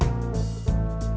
hanya bahasa tumbuh